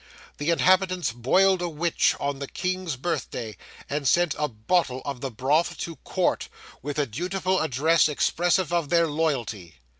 The inhabitants boiled a witch on the king's birthday and sent a bottle of the broth to court, with a dutiful address expressive of their loyalty.